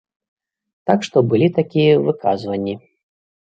Так што былі такія выказванні.